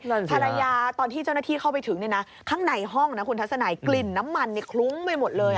ภรรยาตอนที่เจ้าหน้าที่เข้าไปถึงเนี่ยนะข้างในห้องนะคุณทัศนัยกลิ่นน้ำมันเนี่ยคลุ้งไปหมดเลย